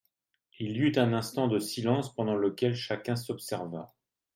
Il y eut un instant de silence pendant lequel chacun s'observa.